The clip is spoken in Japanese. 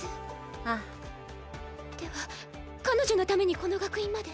ああでは彼女のためにこの学院まで？